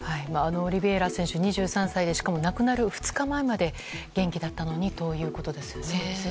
オリベイラ選手、２３歳でしかも亡くなる２日前まで元気だったのにということですね。